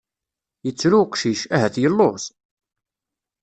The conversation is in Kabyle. Yettru uqcic, ahat yelluẓ?